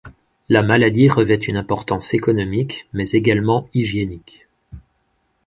La maladie revêt une importance économique, mais également hygiénique.